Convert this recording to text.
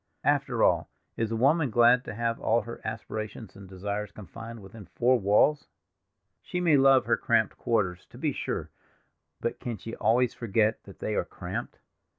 After all, is a woman glad to have all her aspirations and desires confined within four walls? She may love her cramped quarters, to be sure, but can she always forget that they are cramped?